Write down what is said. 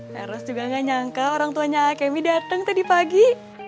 harus juga nggak nyangka orang tuanya akemi datang tadi pagi